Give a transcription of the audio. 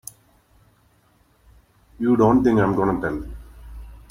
You don't think I'm gonna tell!